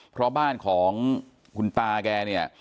เพราะบ้านของคุณตาแกเนี่ย